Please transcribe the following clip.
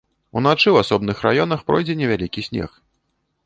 Уначы ў асобных раёнах пройдзе невялікі снег.